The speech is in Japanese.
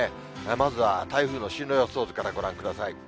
まずは台風の進路予想図からご覧ください。